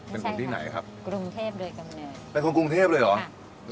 เป็นคนที่ไหนครับกรุงเทพโดยกำแพงเป็นคนกรุงเทพเลยเหรอ